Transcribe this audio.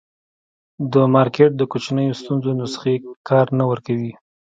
د مارکېټ د کوچنیو ستونزو نسخې کار نه ورکوي.